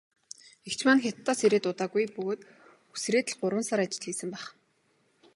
Эгч маань Хятадаас ирээд удаагүй бөгөөд үсрээд л гурван сар ажил хийсэн байх.